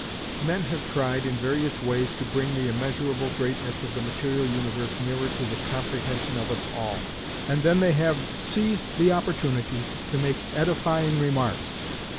Men have tried in various ways to bring the immeasurable greatness of the material universe nearer to the comprehension of us all, and then they have seized the opportunity to make edifying remarks.